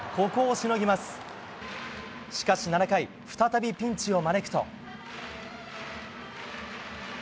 しかし７回再びピンチを招くと。